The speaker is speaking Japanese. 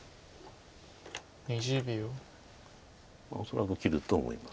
恐らく切ると思います。